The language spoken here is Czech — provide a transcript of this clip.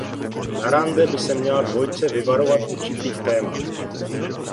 Na rande by se měla dvojice vyvarovat určitých témat.